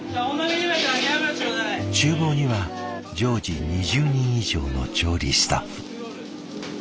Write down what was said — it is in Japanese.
ちゅう房には常時２０人以上の調理スタッフ。